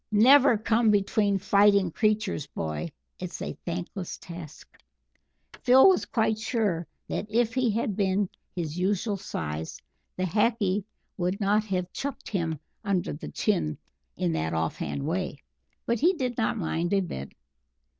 "Never come between fighting creatures, boy it's a thankless task." Phil was quite sure that if he had been his usual size the Hackee would not have chucked him under the chin in that off hand way, but he did not mind a bit.